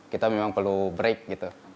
kita memang perlu break gitu